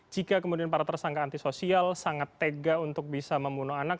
jika kemudian para tersangka antisosial sangat tega untuk bisa membunuh anak